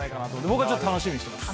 僕はちょっと楽しみにしています。